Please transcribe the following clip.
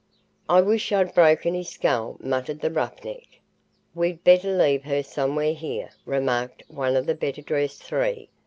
"I wish I'd broken his skull," muttered the roughneck. "We'd better leave her somewhere here," remarked one of the better dressed three.